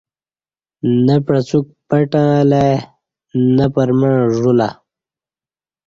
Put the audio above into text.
نہ پعڅوک پٹں اہ لے نہ پر مع ژولہ